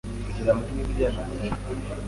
kugera muri bibiri na kane